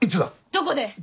どこで？